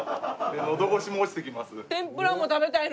のど越しも落ちてきます。